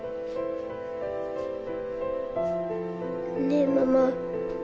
ねえママ。